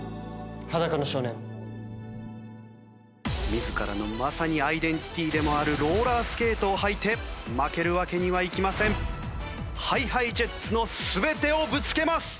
自らのまさにアイデンティティーでもあるローラースケートを履いて負けるわけにはいきません。ＨｉＨｉＪｅｔｓの全てをぶつけます！